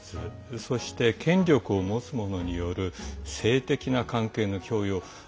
そして権力を持つものによる性的な関係の強要